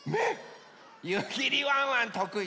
ゆきりワンワンとくいですよ。